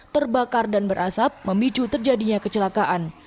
terbakar dan berasap memicu terjadinya kecelakaan